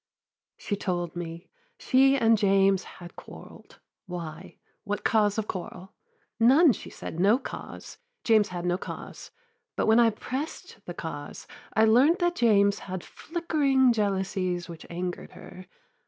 'She told me. She and James had quarrell'd. Why? What cause of quarrel? None, she said, no cause; James had no cause: but when I prest the cause, I learnt that James had flickering jealousies Which anger'd her.